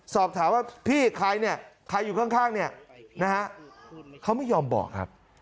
สอบถามว่าพี่ใครเนี่ยใครอยู่ข้างเนี่ยนะฮะเขาไม่ยอมบอกครับ